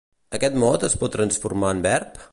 Aquest mot es pot transformar en verb?